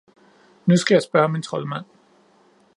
Nu skal jeg spørge min troldmand.